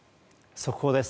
速報です。